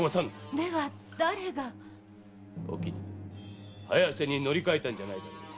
では誰が⁉お絹早瀬に乗り換えたんじゃないだろうな？